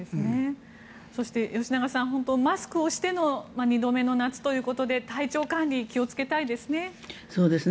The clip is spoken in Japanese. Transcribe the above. そして吉永さんマスクをしての２度目の夏ということで体調管理、気をつけたいですね。